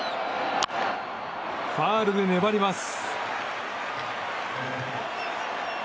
ファウルで粘ります。